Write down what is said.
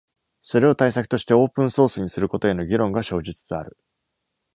それを対策としてオープンソースにすることへの議論が生じつつある。